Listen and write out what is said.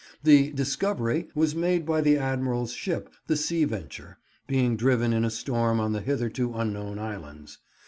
The "discovery" was made by the Admiral's ship, the Sea Venture, being driven in a storm on the hitherto unknown islands.